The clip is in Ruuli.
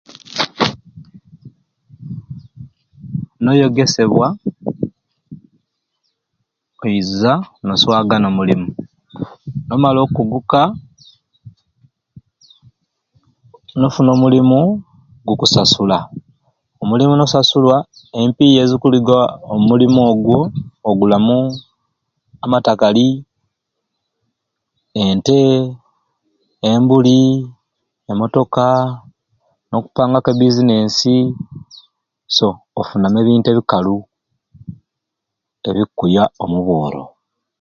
Noyegesebwa oiza noswagana omulimu, nomala okuguuka nofuna omulimu gukusasula, omulimu nosasulwa empiya ezikuliga omulimu ogwo ogulamu amatakali, ente, embuli, emotoka nokupangaku ebizinensi so ofunamu ebintu ebikalu ebikuya omubworo.